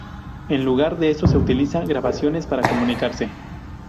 En lugar de eso utiliza grabaciones para comunicarse.